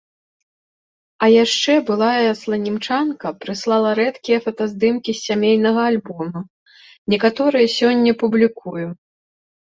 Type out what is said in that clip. А яшчэ былая сланімчанка прыслала рэдкія фотаздымкі з сямейнага альбома, некаторыя сёння публікуем.